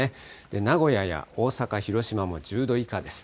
名古屋や大阪、広島も１０度以下です。